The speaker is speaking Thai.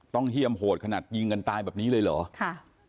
เฮี่ยมโหดขนาดยิงกันตายแบบนี้เลยเหรอค่ะ